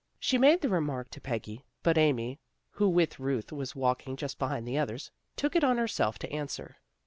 She made the remark to Peggy, but Amy, who with Ruth was walk ing just behind the others, took it on herself to answer.